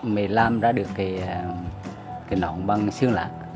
mình làm ra được cái nón bằng xương lá